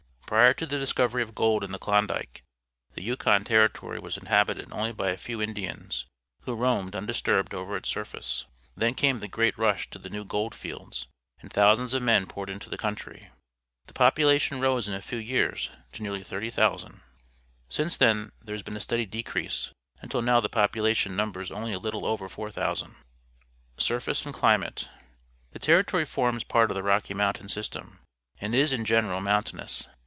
Prior to the discovery of gold in the Klon dike, the Yukon Territory was inhabited only by a few Indians, who roamed undisturbed over its surface. Then came the great rush to the new gold fields, and thousands of men poured into the country. The population rose in a few years to nearly 30,000. Since then there has been a steady decrease, until now the population numbers only a little over 4,000. Surface and Climate. — The Territory forms part of the Rocky Mountain system and i s, in general, mountainou s.